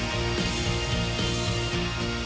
โปรดติดตามตอนต่อไป